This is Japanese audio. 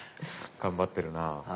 頑張ってるなあ。